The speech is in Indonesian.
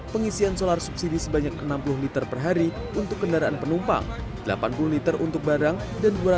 pengisian solar subsidi sebanyak enam puluh liter per hari untuk kendaraan penumpang delapan puluh liter untuk barang dan